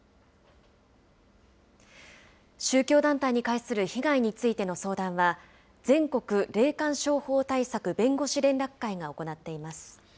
宗教団体に関する被害についての相談は、全国霊感商法対策弁護士連絡会が行っています。